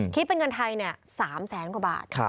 คิดเป็นเงินไทย๓แสนกว่าบาท